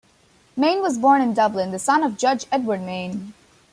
Mayne was born in Dublin, the son of Judge Edward Mayne.